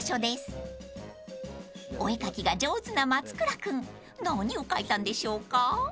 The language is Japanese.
［お絵描きが上手な松倉君何を描いたんでしょうか？］